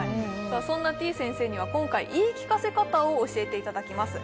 そんなてぃ先生には今回言い聞かせ方を教えていただきます